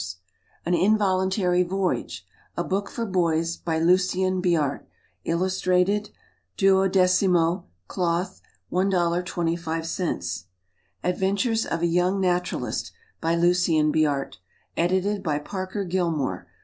An Involuntary Voyage. A Book for Boys. By LUCIEN BIART. Illustrated. 12mo, Cloth, $1.25. Adventures of a Young Naturalist. By LUCIEN BIART. Edited by PARKER GILLMORE.